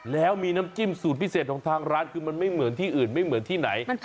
แล้วมีน้ำจิ้มสูตรพิเศษของทางร้านคือมันไม่เหมือนที่อื่นไม่เหมือนที่ไหน